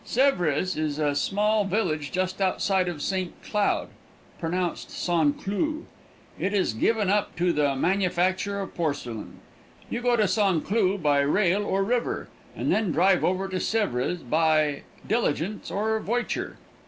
Sèvres is a small village just outside of St. Cloud (pronounced San Cloo). It is given up to the manufacture of porcelain. You go to St. Cloud by rail or river, and then drive over to Sèvres by diligence or voiture.